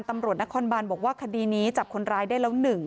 ตำรวจนครบานบอกว่าคดีนี้จับคนร้ายได้แล้ว๑